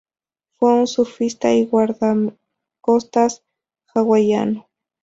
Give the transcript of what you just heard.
Fue un surfista y guardacostas hawaiano.